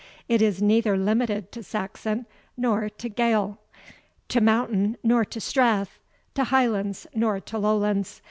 It is neither limited to Saxon nor to Gael, to mountain nor to strath, to Highlands nor to Lowlands.